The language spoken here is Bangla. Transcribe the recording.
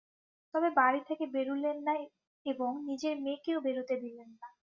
তবে বাড়ি থেকে বেরুলেন না এবং নিজের মেয়েকেও বেরুতে দিলেন না।